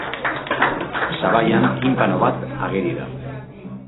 Sabaian tinpano bat ageri da.